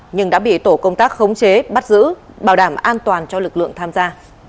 nhưng đã bị tổ công tác khống chế bắt giữ bảo đảm an toàn cho lực lượng tham gia